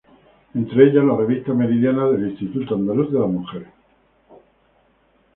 Entre ellas la revista Meridiana del Instituto Andaluz de la Mujer.